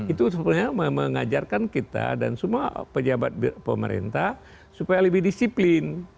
itu sebenarnya mengajarkan kita dan semua pejabat pemerintah supaya lebih disiplin